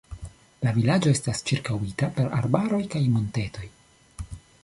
La vilaĝo estas ĉirkaŭita per arbaroj kaj montetoj.